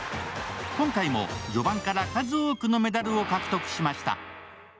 今回も序盤から数多くのメダルを獲得しました